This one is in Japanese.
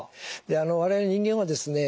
我々人間はですね